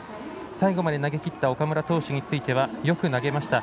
最後まで投げきった岡村投手についてはよく投げました。